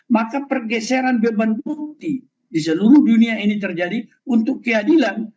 maka pergeseran beban bukti di seluruh dunia ini terjadi untuk keadilan